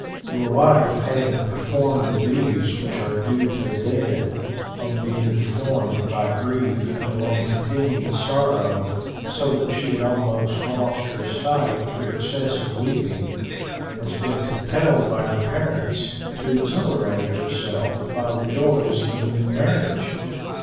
Your wife, having performed the duties which are due to the dead, and being deformed by grief and long continued sorrow, so that she had almost lost her sight through excessive weeping, has been compelled by her parents to exhilarate herself by the joys of a new marriage.